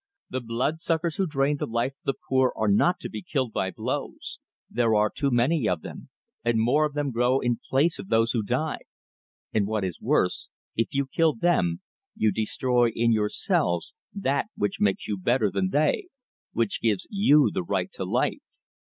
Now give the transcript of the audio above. The blood suckers who drain the life of the poor are not to be killed by blows. There are too many of them, and more of them grow in place of those who die. And what is worse, if you kill them, you destroy in yourselves that which makes you better than they, which gives you the right to life.